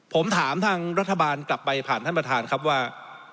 ผมถามทางรัฐบาลกลับไปผ่านท่านประธานครับว่า